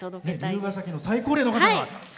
龍ケ崎の最高齢の方が。